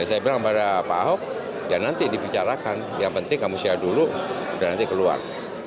saya bilang pada pak ahok ya nanti dibicarakan yang penting kamu siap dulu udah nanti keluar